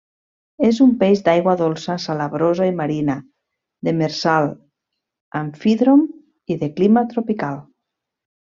És un peix d'aigua dolça, salabrosa i marina; demersal, amfídrom i de clima tropical.